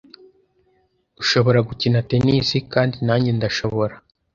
Ashobora gukina tennis, kandi nanjye ndashobora.